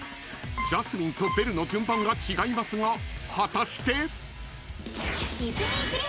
［ジャスミンとベルの順番が違いますが果たして？］